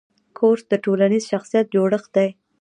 کورس د ټولنیز شخصیت جوړښت دی.